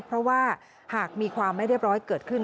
เพราะว่าหากมีความไม่เรียบร้อยเกิดขึ้น